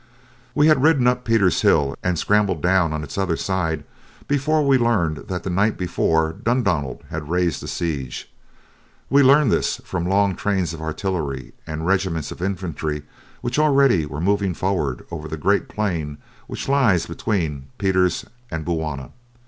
We had ridden up Pieter's Hill and scrambled down on its other side before we learned that the night before Dundonald had raised the siege. We learned this from long trains of artillery and regiments of infantry which already were moving forward over the great plain which lies between Pieter's and Bulwana.